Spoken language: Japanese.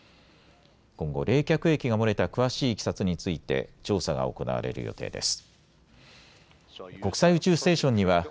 今後、冷却液が漏れた詳しいいきさつについて調査が行われる予定です。